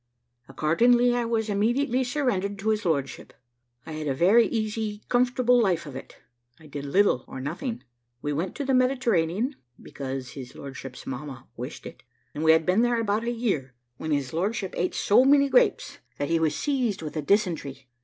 Accordingly, I was immediately surrendered to his lordship. I had a very easy, comfortable life of it I did little or nothing. We went to the Mediterranean (because his lordship's mamma wished it), and we had been there about a year, when his lordship ate so many grapes that he was seized with a dysentery.